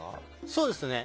そうですね。